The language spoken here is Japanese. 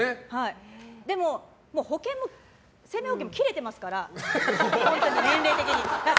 でも、もう生命保険も切れてますから、年齢的にも。